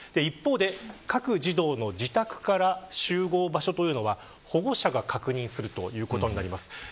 一方で、各児童の自宅から集合場所というのは保護者が確認するということになります。